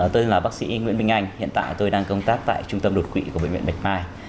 tôi là bác sĩ nguyễn minh anh hiện tại tôi đang công tác tại trung tâm đột quỵ của bệnh viện bạch mai